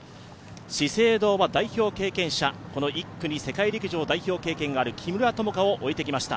資生堂は代表経験者、１区に世界陸上代表経験がある木村友香をおいてきました。